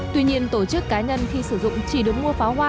tuy nhiên tổ chức cá nhân khi sử dụng chỉ được mua pháo hoa